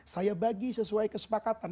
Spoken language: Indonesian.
saya bagi sesuai kesepakatan